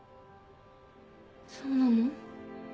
そうなの？